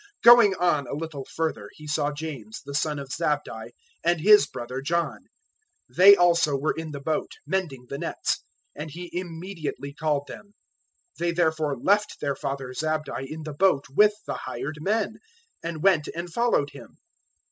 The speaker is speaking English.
001:019 Going on a little further He saw James the son of Zabdi and his brother John: they also were in the boat mending the nets, and He immediately called them. 001:020 They therefore left their father Zabdi in the boat with the hired men, and went and followed Him.